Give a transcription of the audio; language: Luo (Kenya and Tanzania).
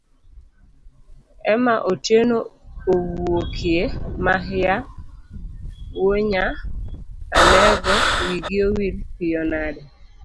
Ema Otieno owuokie, mahia wuonya alegowigi owil piyo nade?